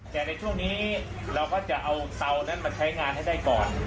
แต่ในช่วงนี้เราก็จะเอาเตานั้นมาใช้งานให้ได้ก่อน